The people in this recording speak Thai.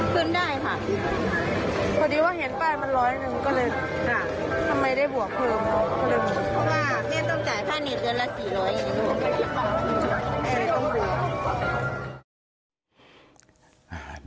เพราะว่าเพียงต้องจ่ายค่าหนีเตือนละสี่ร้อยนึงให้ต้องบวก